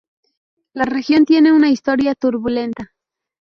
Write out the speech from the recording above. La región tiene una historia turbulenta.